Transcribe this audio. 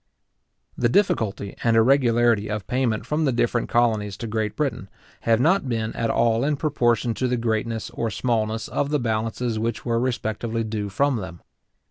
The difficulty and irregularity of payment from the different colonies to Great Britain, have not been at all in proportion to the greatness or smallness of the balances which were respectively due from them.